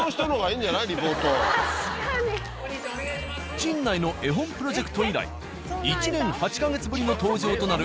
陣内の絵本プロジェクト以来１年８ヵ月ぶりの登場となる